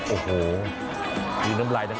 โอ้โฮมันกุ้ง